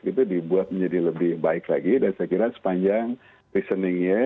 itu dibuat menjadi lebih baik lagi dan saya kira sepanjang reasoningnya